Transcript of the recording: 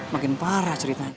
makin parah ceritanya